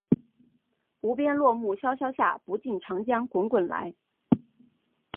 无边落木萧萧下，不尽长江滚滚来